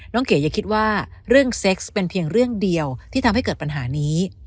เก๋อย่าคิดว่าเรื่องเซ็กซ์เป็นเพียงเรื่องเดียวที่ทำให้เกิดปัญหานี้